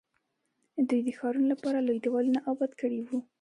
دوی د ښارونو لپاره لوی دیوالونه اباد کړي وو.